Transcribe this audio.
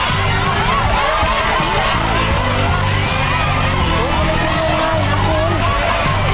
อย่าให้ตีร้านหนีไม่อยู่นะคะอย่าให้ห่อหมึกนะ